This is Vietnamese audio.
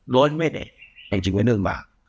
đối với đại hành chính quyền nước mạng